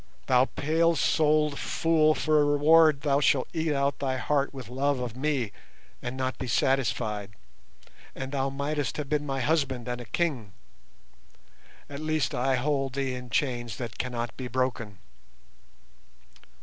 "Thou pale souled fool, for a reward thou shalt eat out thy heart with love of me and not be satisfied, and thou mightest have been my husband and a king! At least I hold thee in chains that cannot be broken.